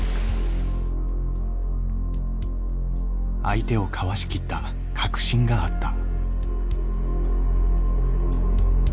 相手をかわしきった確信があった。